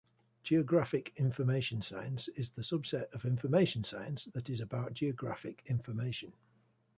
Geographic information science is the subset of information science that is about geographic information.